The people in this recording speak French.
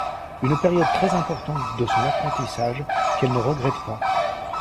Une période très importante de son apprentissage, qu'elle ne regrette pas.